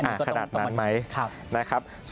ขนาดนั้นไหมนะครับ